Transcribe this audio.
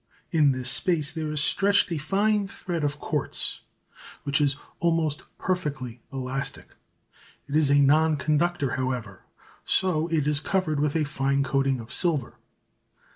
In this space there is stretched a fine thread of quartz which is almost perfectly elastic. It is a non conductor, however, so it is covered with a fine coating of silver.